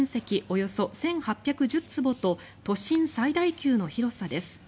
およそ１８１０坪と都心最大級の広さです。